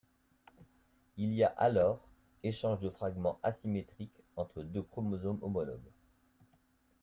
Il y a alors échange de fragments asymétriques entre deux chromosomes homologues.